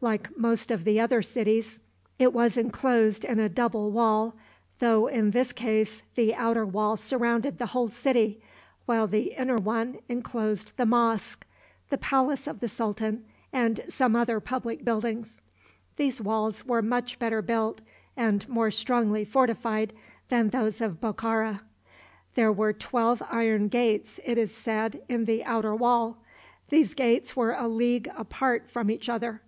Like most of the other cities, it was inclosed in a double wall, though, in this case, the outer wall surrounded the whole city, while the inner one inclosed the mosque, the palace of the sultan, and some other public buildings. These walls were much better built and more strongly fortified than those of Bokhara. There were twelve iron gates, it is said, in the outer wall. These gates were a league apart from each other.